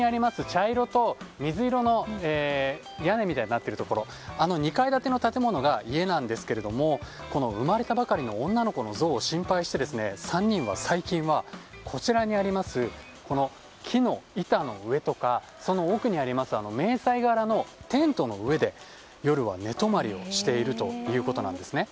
茶色と水色の屋根みたいになってるところあの２階建ての建物が家なんですけれども生まれたばかりの女の子のゾウを心配して３人は最近はこちらにある木の板の上とかその奥にあります迷彩柄のテントの上で夜は寝泊りをしているということです。